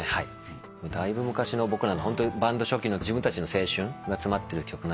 だいぶ昔の僕らのバンド初期の自分たちの青春が詰まってる曲なんですけど。